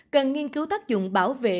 cần nghiên cứu tác dụng bảo vệ